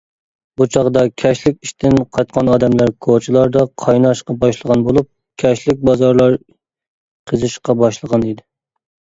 بۇ چاغدا كەچلىك ئىشتىن قايتقان ئادەملەر كوچىلاردا قايناشقا باشلىغان بولۇپ، كەچلىك بازارلار قىزىشقا باشلىغان ئىدى.